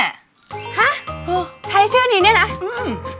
ฮะใช้ชื่อนี้เนี่ยนะอืม